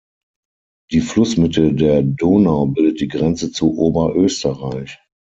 Die Flussmitte der Donau bildet die Grenze zu Oberösterreich.